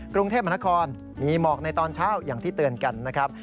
กรุงเทพมหานครมีหมอกในตอนเช้าอย่างที่เตือนกันนะครับ